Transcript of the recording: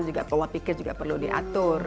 juga pola pikir juga perlu diatur